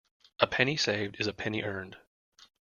A penny saved is a penny earned.